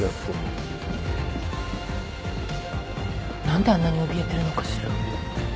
何であんなにおびえてるのかしら。